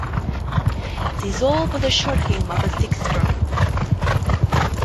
This all but assured him of a sixth term.